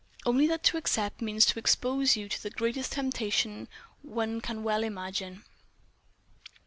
"Only that to accept means to expose you to the greatest temptation one can well imagine."